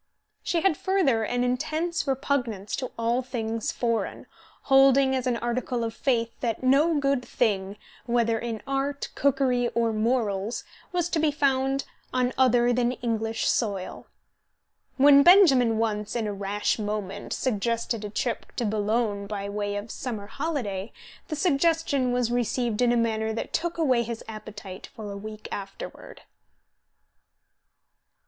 She had further an intense repugnance to all things foreign, holding as an article of faith that no good thing, whether in art, cookery, or morals, was to be found on other than English soil. When Benjamin once, in a rash moment, suggested a trip to Boulogne by way of summer holiday, the suggestion was received in a manner that took away his appetite for a week afterward.